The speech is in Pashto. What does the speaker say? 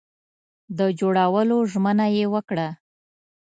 د جوړولو ژمنه یې وکړه.